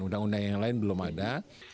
undang undang yang lain belum ada